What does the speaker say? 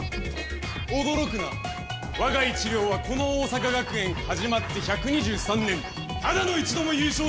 驚くなわが一寮はこの桜咲学園始まって１２３年ただの一度も優勝したことがない！